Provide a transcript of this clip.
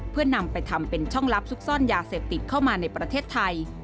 เพื่อนำไปทำเป็นช่องลับซุกซ่อนยาเสพติดเข้ามาในประเทศไทย